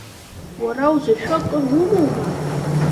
Уара узыршәо акыр умоума?